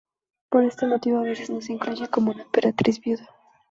Por este motivo, a veces no se incluye como una emperatriz viuda.